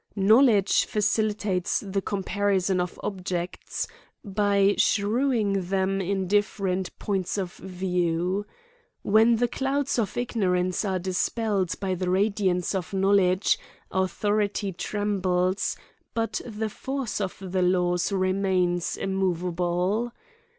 Knowledge facilitates the com parison of objects, by shewhig them in different points of view. When the clouds of ignorance are dispelled by the radiance of knowledge, au thority trembles, but the force of the laws remains immoveable.